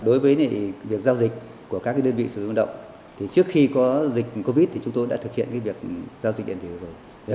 đối với việc giao dịch của các đơn vị sử dụng lao động thì trước khi có dịch covid thì chúng tôi đã thực hiện việc giao dịch điện tử rồi